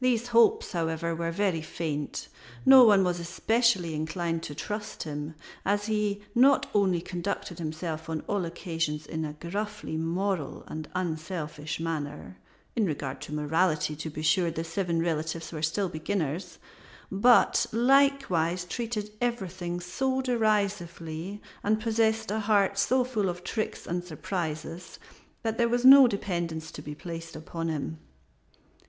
These hopes, however, were very faint. No one was especially inclined to trust him, as he not only conducted himself on all occasions in a gruffly moral and unselfish manner in regard to morality, to be sure, the seven relatives were still beginners but likewise treated everything so derisively and possessed a heart so full of tricks and surprises that there was no dependence to be placed upon him.